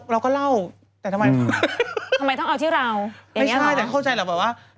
ทำไมต้องเอาที่เราอย่างนี้หรอไม่ใช่แต่เข้าใจแล้วว่าน่ะว่า